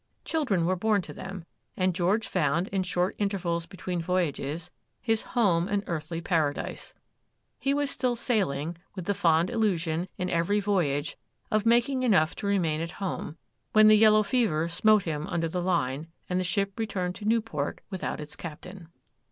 Children were born to them, and George found, in short intervals between voyages, his home an earthly paradise. He was still sailing, with the fond illusion, in every voyage, of making enough to remain at home,—when the yellow fever smote him under the line, and the ship returned to Newport without its captain.